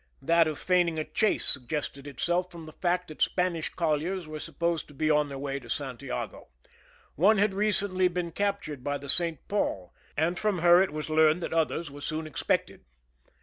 That of feigning a chase suggested itself from the fact that Spanish colliers were supposed to be on their way to Santi ago. One had recently been captured by the St Paul, and from her it was learned that others were 8 THE SCHEME AND THE PEEPAEATIONS soon expected.